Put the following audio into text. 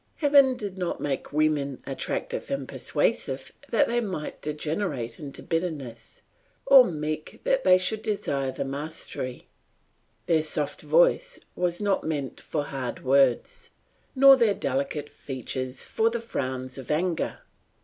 Heaven did not make women attractive and persuasive that they might degenerate into bitterness, or meek that they should desire the mastery; their soft voice was not meant for hard words, nor their delicate features for the frowns of anger.